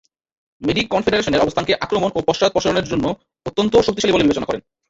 মেডি কনফেডারেশনের অবস্থানকে আক্রমণ ও পশ্চাদপসরণের জন্য অত্যন্ত শক্তিশালী বলে বিবেচনা করেন।